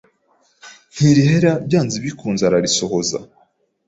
ntirihera byanze bikunze irarisohoza.